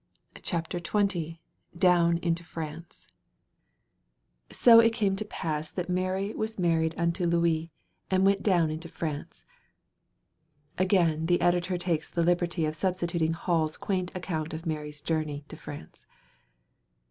CHAPTER XX Down into France So it came to pass that Mary was married unto Louis and went down into France. [Again the editor takes the liberty of substituting Hall's quaint account of Mary's journey to France.